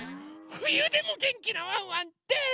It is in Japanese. ふゆでもげんきなワンワンです！